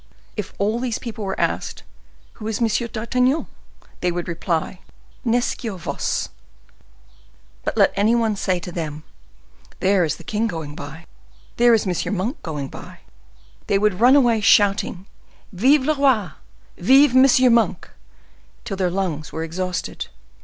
If all these people were asked,—'Who is M. d'Artagnan?' they would reply, 'Nescio vos.' But let any one say to them, 'There is the king going by,' 'There is M. Monk going by,' they would run away, shouting,—'Vive le roi!' 'Vive M. Monk!' till their lungs were exhausted.